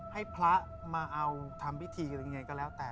ให้พระมาเอาทำพิธีหรือยังไงก็แล้วแต่